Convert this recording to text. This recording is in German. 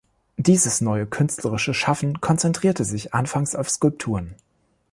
Dieses neue künstlerische Schaffen konzentrierte sich anfangs auf Skulpturen.